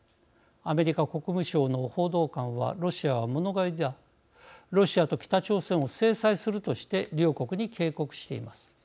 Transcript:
アメリカ国務省の報道官はロシアは物乞いだロシアと北朝鮮を制裁するとして両国に警告しています。